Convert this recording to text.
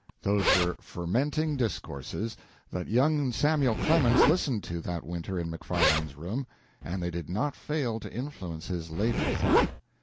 Those were fermenting discourses that young Samuel Clemens listened to that winter in Macfarlane's room, and they did not fail to influence his later thought.